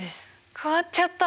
変わっちゃった。